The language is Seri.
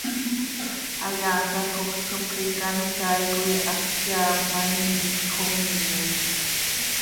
Hayaa cacoxl cop xiica an icaai coi halx teaam ma, imiimjc xo miime.